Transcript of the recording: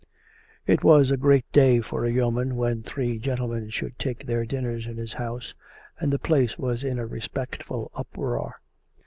It was a great day for a yeoman when three gentlemen should take their dinners in his house; and the place was in a respectful uproar.